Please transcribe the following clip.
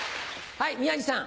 はい宮治さん。